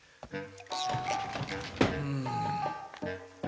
うん。